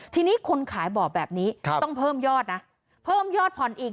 ทีนี้คนขายบอกแบบนี้ต้องเพิ่มยอดนะเพิ่มยอดผ่อนอีก